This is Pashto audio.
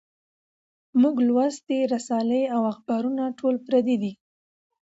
مونږ لوستي رسالې او اخبارونه ټول پردي دي